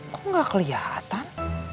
kok gak kelihatan